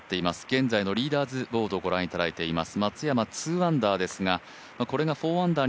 現在のリーダーズボードをご覧いただいています。